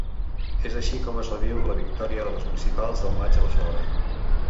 És així com es reviu la victòria de les municipals del maig a Barcelona.